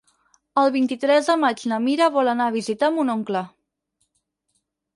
El vint-i-tres de maig na Mira vol anar a visitar mon oncle.